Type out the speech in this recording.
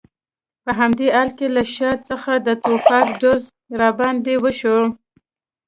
په همدې حال کې له شا څخه د ټوپک ډز را باندې وشو.